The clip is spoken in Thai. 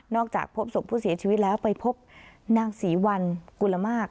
จากพบศพผู้เสียชีวิตแล้วไปพบนางศรีวัลกุลมาก